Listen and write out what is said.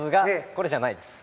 これじゃないんです。